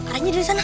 aranya dari sana